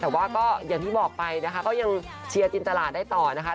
แต่ว่าก็อย่างที่บอกไปนะคะก็ยังเชียร์จินตลาดได้ต่อนะคะ